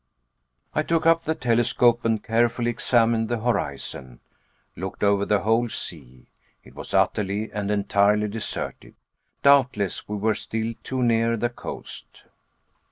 I took up the telescope and carefully examined the horizon looked over the whole sea; it was utterly and entirely deserted. Doubtless we were still too near the coast.